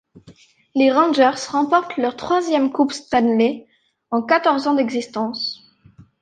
Les Rangers remportent leur troisième Coupe Stanley en quatorze ans d'existence.